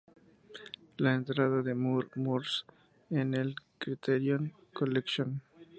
La entrada de "Mur Murs" en el Criterion Collection